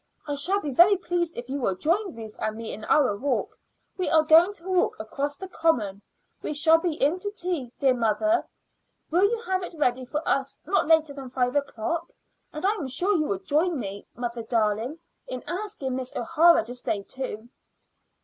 I shall be very pleased if you will join Ruth and me in our walk. We are going for a walk across the common. We shall be in to tea, dear mother. Will you have it ready for us not later than five o'clock? And I am sure you will join me, mother darling, in asking Miss O'Hara to stay, too."